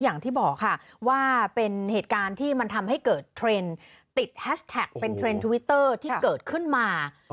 อย่างที่บอกค่ะว่าเป็นเหตุการณ์ที่มันทำให้เกิดเทรนด์ติดแฮชแท็กเป็นเทรนด์ทวิตเตอร์ที่เกิดขึ้นมา